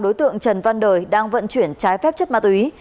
đối tượng trần văn đời đang vận chuyển trái phép chất ma túy